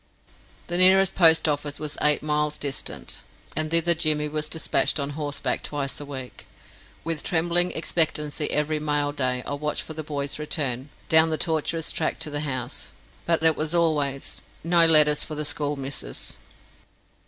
The nearest post office was eight miles distant, and thither Jimmy was dispatched on horseback twice a week. With trembling expectancy every mail day I watched for the boy's return down the tortuous track to the house, but it was always, "No letters for the school missus."